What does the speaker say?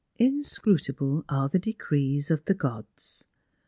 Inscrutable are the decrees of the gods.